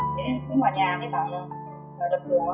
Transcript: sẽ đến ngoài nhà mới bảo là đập đồ